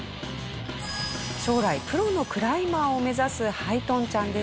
将来プロのクライマーを目指すハイトンちゃんでした。